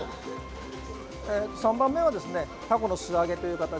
３番目はタコの素揚げという形。